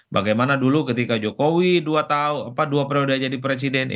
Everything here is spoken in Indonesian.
bagaimana dulu ketika jokowi dua periode jadi presiden